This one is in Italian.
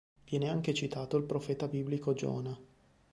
Viene anche citato il profeta biblico Giona.